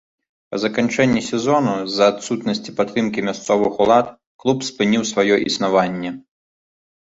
Па заканчэнні сезону, з-за адсутнасці падтрымкі мясцовых улад, клуб спыніў сваё існаванне.